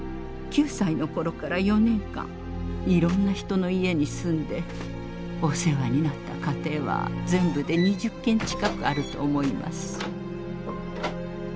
９歳の頃から４年間いろんな人の家に住んでお世話になった家庭は全部で２０軒近くあると思います。